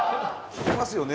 「効きますよね」